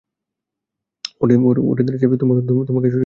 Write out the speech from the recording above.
ওঁর দেরাজ তোমাকে সন্ধান করতে হবে।